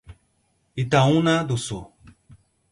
Itaúna do Sul